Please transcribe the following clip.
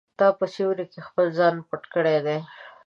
تا په سیوري کې خپل ځان پټ کړی دی.